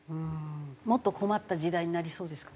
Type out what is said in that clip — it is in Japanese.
もっと困った時代になりそうですか？